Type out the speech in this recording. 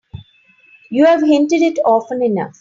You've hinted it often enough.